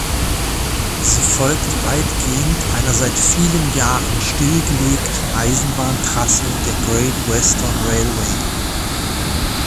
Sie folgt weitgehend einer seit vielen Jahren stillgelegten Eisenbahntrasse der Great Western Railway.